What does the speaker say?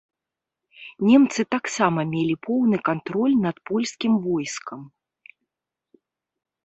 Немцы таксама мелі поўны кантроль над польскім войскам.